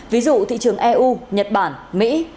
ví dụ thị trường eu nhật bản mỹ